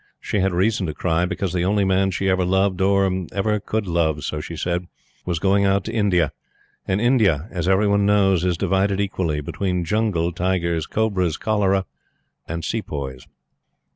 She had reason to cry, because the only man she ever loved or ever could love, so she said was going out to India; and India, as every one knows, is divided equally between jungle, tigers, cobras, cholera, and sepoys.